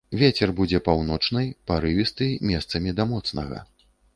Вецер будзе паўночны, парывісты, месцамі да моцнага.